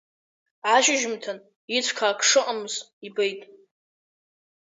Ашьжьымҭан ицәқәа ак шыҟамыз ибеит.